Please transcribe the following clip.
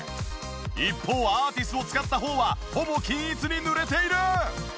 一方アーティスを使った方はほぼ均一に塗れている！